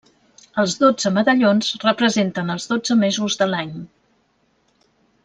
Els dotze medallons representen els dotze mesos de l'any.